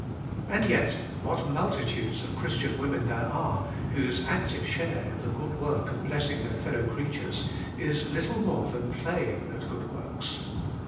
And yet what multitudes of Christian women there are whose active share in the good work of blessing their fellow creatures is little more than playing at good works.